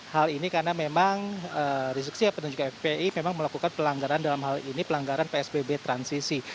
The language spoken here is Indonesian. hal ini karena memang rizik sihab dan juga fpi memang melakukan pelanggaran dalam hal ini pelanggaran psbb transisi